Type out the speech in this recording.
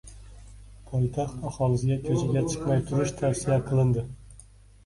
Poytaxt aholisiga ko‘chaga chiqmay turish tavsiya qilindi